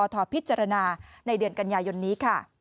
ทพิจารณาในเดือนกันยายนนี้ค่ะ